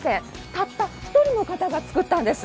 たった１人の方が作ったんです。